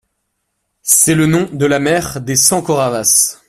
C'est le nom de la mère des cent Kauravas.